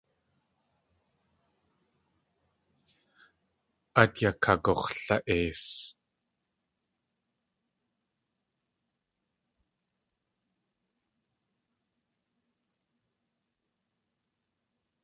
Át yakagux̲la.eis.